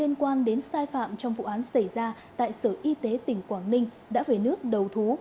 liên quan đến sai phạm trong vụ án xảy ra tại sở y tế tỉnh quảng ninh đã về nước đầu thú